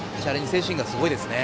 精神がすごいですね。